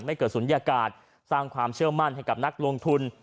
เกิดศูนยากาศสร้างความเชื่อมั่นให้กับนักลงทุน